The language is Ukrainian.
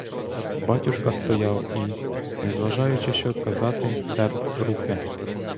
Батюшка стояв і, не знаючи, що казати, тер руки.